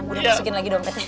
udah masukin lagi dompetnya